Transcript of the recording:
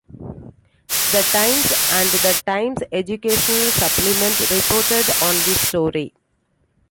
"The Times" and "The Times Educational Supplement" reported on this story.